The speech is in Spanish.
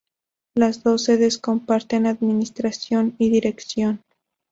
Las dos sedes comparten administración y dirección.